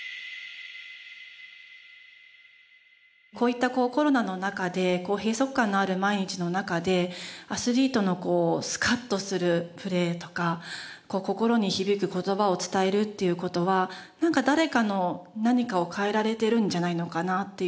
こういったコロナの中で閉塞感のある毎日の中でアスリートのスカッとするプレーとか心に響く言葉を伝えるっていう事はなんか誰かの何かを変えられてるんじゃないのかなっていう。